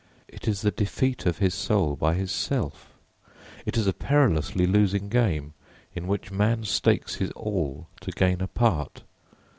It is the defeat of his soul by his self. It is a perilously losing game, in which man stakes his all to gain a part.